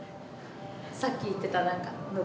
さっき言ってた喉。